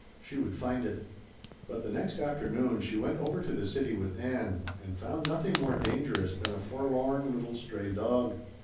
She would find it. But the next afternoon she went over to the city with Ann and found nothing more dangerous than a forlorn little stray dog.